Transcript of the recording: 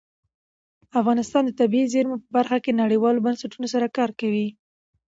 افغانستان د طبیعي زیرمې په برخه کې نړیوالو بنسټونو سره کار کوي.